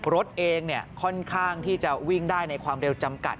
รถเองค่อนข้างที่จะวิ่งได้ในความเร็วจำกัด